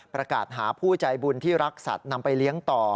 ประกาศหาผู้ใจบุญที่รักสัตว์นำไปเลี้ยงต่อ